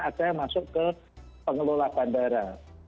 ada yang masuk ke pengelola bandara